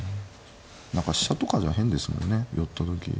何か飛車とかじゃ変ですもんね寄った時。